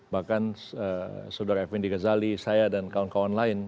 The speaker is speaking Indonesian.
bahkan saudara effendi ghazali saya dan kawan kawan lain